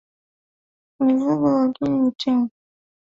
Mifugo wageni hutengwa kabla ya kuchanganywa kwenye kundi kubwa la wanyama